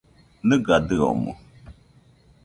¿Nɨgadɨomoɨ?